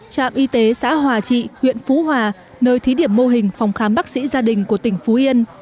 trạm y tế xã hòa trị huyện phú hòa nơi thí điểm mô hình phòng khám bác sĩ gia đình của tỉnh phú yên